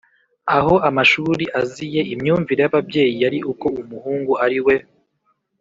aho amashuri aziye, imyumvire y’ababyeyi yari uko umuhungu ari we